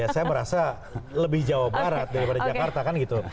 saya merasa lebih jawa barat daripada jakarta kan gitu